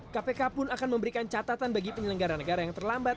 kpk pun akan memberikan catatan bagi penyelenggara negara yang terlambat